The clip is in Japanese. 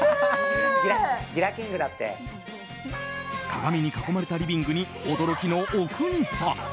鏡に囲まれたリビングに驚きの阿国さん。